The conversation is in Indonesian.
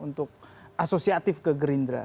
untuk asosiatif ke grindra